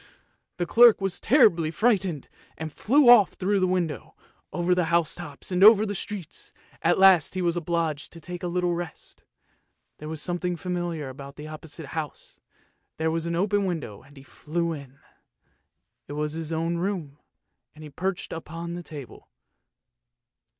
" The clerk was terribly frightened, and flew off through the window, over the house tops and over the streets; at last he was obliged to take a little rest. There was something familiar about the opposite house; there was an open window, and he flew in. it was his own room, and he perched upon the table.